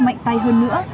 mạnh tay hơn nữa